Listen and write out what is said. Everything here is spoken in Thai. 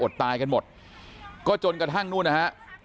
ตายกันหมดก็จนกระทั่งนู่นนะฮะ